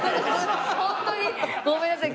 ホントにごめんなさい。